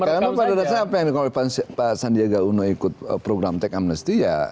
karena pada dasarnya apa yang dikompetisi pak sandiaga uno ikut program tkms itu ya